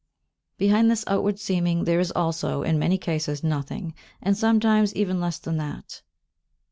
Behind this outward seeming, there is also, in many cases, nothing, and sometimes even less than that.